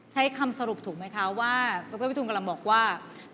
ใช้คำสรุปถูกไหมคะว่าดรวิทูธรรมบอกว่า